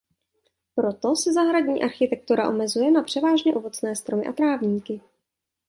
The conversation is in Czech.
Proto se zahradní architektura omezuje na převážně ovocné stromy a trávníky.